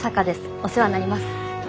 お世話になります。